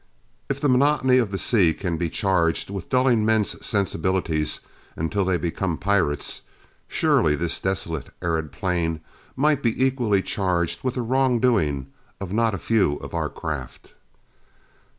If the monotony of the sea can be charged with dulling men's sensibilities until they become pirates, surely this desolate, arid plain might be equally charged with the wrongdoing of not a few of our craft.